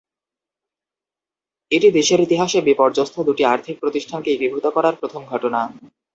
এটি দেশের ইতিহাসে বিপর্যস্ত দুটি আর্থিক প্রতিষ্ঠানকে একীভূত করার প্রথম ঘটনা।